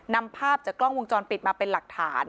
นำภาพจากกล้องวงจรปิดมาเป็นหลักฐาน